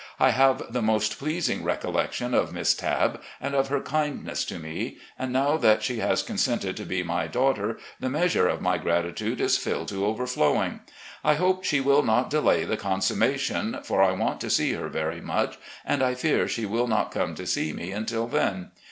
I have the most pleasing recollection of 'Miss Tabb,' and of her kindness to me, and now that she has consented to be my daughter the measure of my gratitude is filled to overflowing. I hope she will not delay the con summation, for I want to see her very much, and I fear she will not come to see me imtil then.